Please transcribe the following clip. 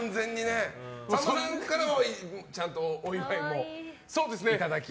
さんまさんからはちゃんとお祝いもいただき？